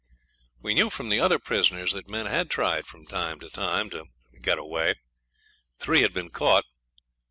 We knew from the other prisoners that men had tried from time to time to get away. Three had been caught.